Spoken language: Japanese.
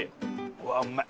うわっうまい。